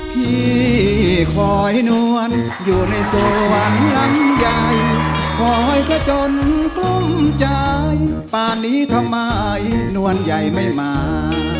พี่คอยนวรอยู่ในสวนลำใหญ่คอยเสาจนกลมใจป่านนี้ทำไมนวรใหญ่ไม่มา